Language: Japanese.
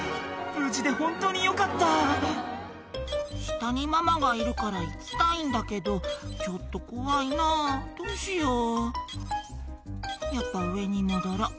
無事で本当によかった「下にママがいるから行きたいんだけどちょっと怖いなどうしよう」「やっぱ上に戻ろう」